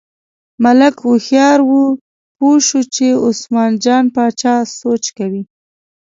ملک هوښیار و، پوه شو چې عثمان جان باچا سوچ کوي.